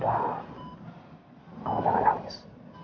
udah kamu jangan nangis